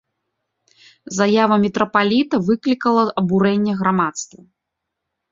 Заява мітрапаліта выклікала абурэнне грамадства.